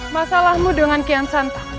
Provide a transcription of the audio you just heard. masalahmu dengan kian santa